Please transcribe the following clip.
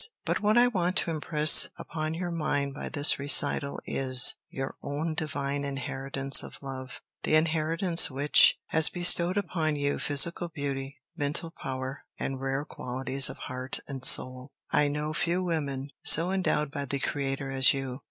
But what I want to impress upon your mind by this recital is, your own divine inheritance of love, the inheritance which has bestowed upon you physical beauty, mental power, and rare qualities of heart and soul. I know few women so endowed by the Creator as you.